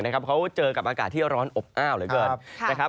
เขาเจอกับอากาศที่ร้อนอบอ้าวเลยเกิน